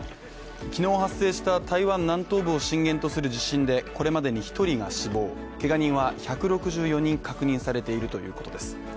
昨日発生した台湾南東部を震源とする地震でこれまでに１人が死亡、けが人は１６４人確認されているということです。